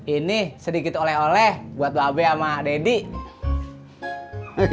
ini sedikit oleh oleh buat bapak be sama deddy